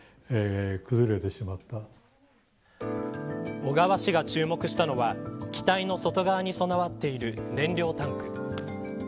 小川氏が注目したのは機体の外側に備わっている燃料タンク。